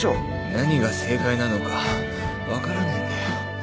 何が正解なのか分からねえんだよ。